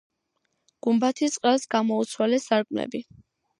გუმბათის ყელს გამოუცვალეს სარკმლები.